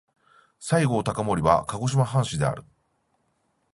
西郷隆盛は鹿児島藩士である。